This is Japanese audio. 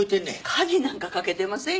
鍵なんか掛けてませんよ。